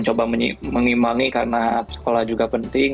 beckham mencoba mengimbangi karena sekolah juga penting